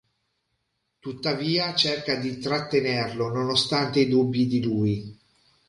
Tuttavia cerca di trattenerlo, nonostante i dubbi di lui.